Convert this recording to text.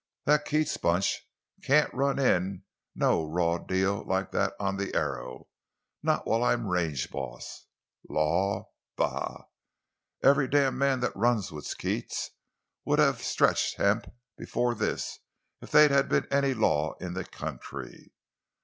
That Keats bunch can't run in no raw deal like that on the Arrow—not while I'm range boss. Law? Bah! Every damned man that runs with Keats would have stretched hemp before this if they'd have been any law in the country!